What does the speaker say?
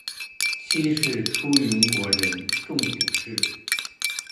妻是出云国人众井氏。